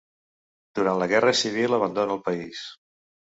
Durant la guerra civil abandona el país.